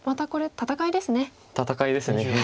戦いです。